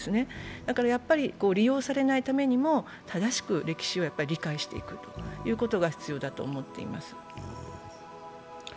だから利用されないためにも正しく歴史を理解していくことが必要だと思っています。